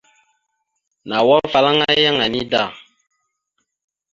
Nawa afalaŋa yaŋ enida.